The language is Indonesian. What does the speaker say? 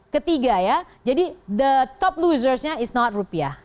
ketiga ya jadi the top losersnya is not rupiah